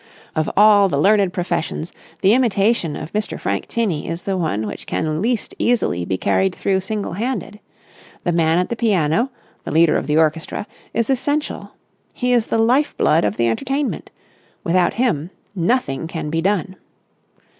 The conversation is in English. Of all the learned professions, the imitation of Mr. Frank Tinney is the one which can least easily be carried through single handed. The man at the piano, the leader of the orchestra, is essential. He is the life blood of the entertainment. Without him, nothing can be done.